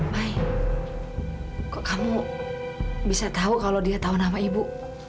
baik kok kamu bisa tahu kalau dia tahu nama ibu